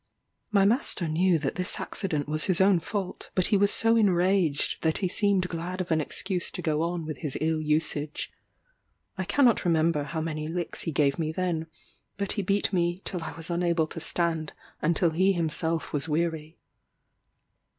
My master knew that this accident was his own fault, but he was so enraged that he seemed glad of an excuse to go on with his ill usage. I cannot remember how many licks he gave me then, but he beat me till I was unable to stand, and till he himself was weary.